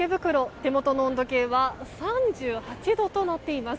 手元の温度計は３８度となっています。